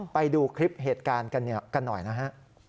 ไปดูคลิปเหตุการณ์กันหน่อยนะฮะ